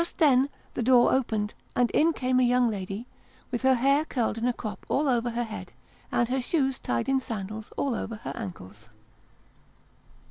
Just then, the door opened, and in came a young lady, with 192 Sketches by 02. her hair curled in a crop all over her head, and her shoes tied in sandals all over her ankles.